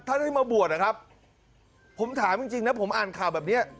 ท่านได้มาบวชนะครับผมถามจริงนะผมอ่านข่าวแบบนี้